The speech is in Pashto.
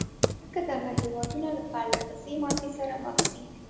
ځکه دغه هېوادونه له پرلهپسې ماتې سره مخ دي.